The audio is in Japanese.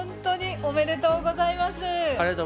ありがとうございます。